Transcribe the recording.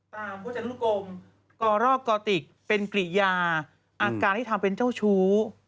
ตามผู้จัดลูกกรมกรอกกติกเป็นกริยาอาการที่ทำเป็นเจ้าชู้